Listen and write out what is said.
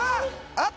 あっ！